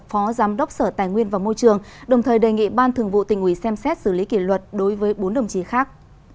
phó giám đốc sở tài nguyên và môi trường đồng thời đề nghị ban thường vụ tỉnh ủy xem xét xử lý kỷ luật đối với bốn đồng chí khác